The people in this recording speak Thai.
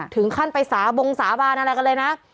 ถึงขั้นไปสาบงสาบานอะไรกันเลยนะ